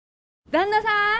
旦那さん！